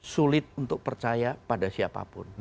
sulit untuk percaya pada siapapun